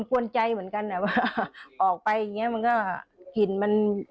กวนใจเหมือนกันนะว่าออกไปอย่างนี้มันก็